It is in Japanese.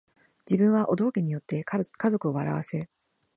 自分はお道化に依って家族を笑わせ